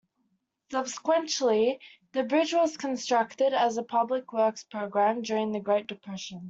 Subsequently the bridge was constructed as a public works program during the Great Depression.